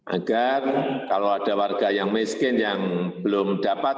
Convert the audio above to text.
agar kalau ada warga yang miskin yang belum dapat